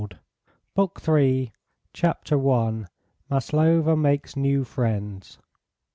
BOOK III. CHAPTER I. MASLOVA MAKES NEW FRIENDS.